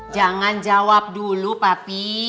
jangan jawab dulu papi